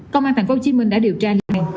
công an tp hcm đã điều tra liên hệ